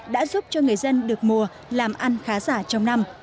đã giúp cho người dân được mùa làm ăn khá giả trong năm